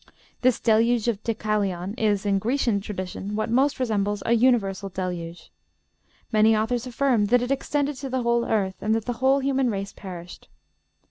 This Deluge of Deucalion is, in Grecian tradition, what most resembles a universal deluge. Many authors affirm that it extended to the whole earth, and that the whole human race perished.